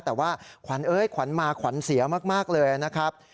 แต่ว่าขวัญเอ้ยขวัญมาขวัญเสียมากเลยนะครับ